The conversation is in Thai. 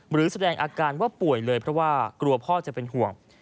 หรือแสดงอาการว่าป่วยเลยเพราะว่ากลัวพ่อจะเป็นห่วง